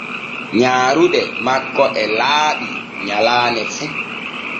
Nyaaruɗe makko e laaɓi nyallane fu.